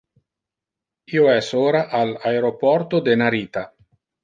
Io es ora al aeroporto de Narita.